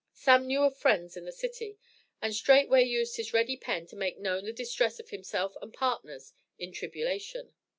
Sam knew of friends in the city, and straightway used his ready pen to make known the distress of himself and partners in tribulation.